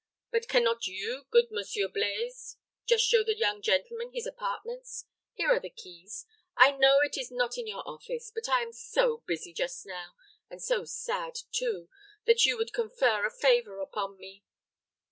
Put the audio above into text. But can not you, good Monsieur Blaize, just show the young gentleman his apartments? Here are the keys. I know it is not in your office; but I am so busy just now, and so sad too, that you would confer a favor upon me.